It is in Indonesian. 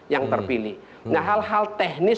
yang terpilih nah hal hal teknis